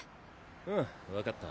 うん分かった。